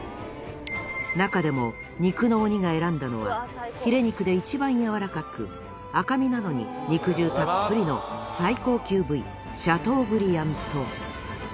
中でも肉の鬼が選んだのはヒレ肉で一番やわらかく赤身なのに肉汁たっぷりの最高級部位シャトーブリアンと。